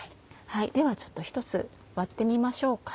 では１つ割ってみましょうか。